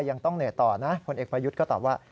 ยังต้องเหนื่อยต่อนะผลเอกประยุทธ์ก็ตอบว่า